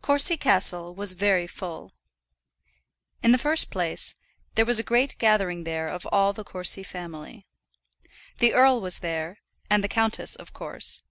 Courcy Castle was very full. In the first place, there was a great gathering there of all the Courcy family. The earl was there, and the countess, of course.